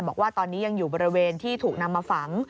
บอกว่าตอนนี้ยังอยู่บริเวณที่ถูกนำมาฝัง